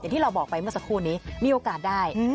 ที่เราบอกไปเมื่อสักครู่นี้มีโอกาสได้